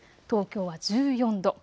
東京は１４度。